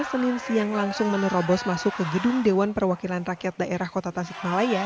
senin siang langsung menerobos masuk ke gedung dewan perwakilan rakyat daerah kota tasikmalaya